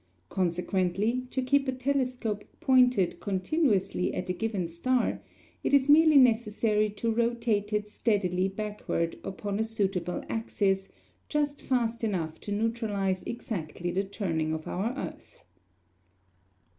Consequently, to keep a telescope pointed continuously at a given star, it is merely necessary to rotate it steadily backward upon a suitable axis just fast enough to neutralize exactly the turning of our earth.